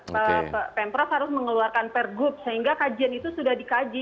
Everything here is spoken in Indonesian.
pemprov harus mengeluarkan pergub sehingga kajian itu sudah dikaji